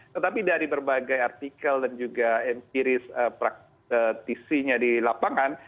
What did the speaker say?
tetapi dari berbagai artikel dan juga empiris praktisinya di lapangan